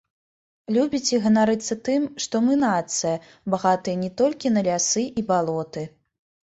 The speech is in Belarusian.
Любіць і ганарыцца тым, што мы нацыя, багатая не толькі на лясы і балоты.